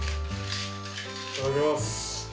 いただきます。